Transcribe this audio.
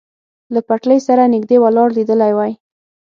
له پټلۍ سره نږدې ولاړ لیدلی وای.